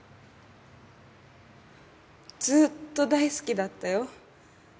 ずーっと大好きだったよ。